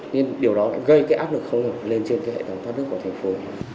nhưng điều đó gây áp lực không ngược lên trên hệ thống thoát nước của thành phố